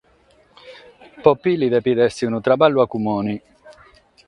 Pro Pili depet èssere unu traballu a cumone.